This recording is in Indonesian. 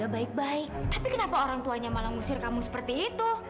baik baik tapi kenapa orang tuanya malah ngusir kamu seperti itu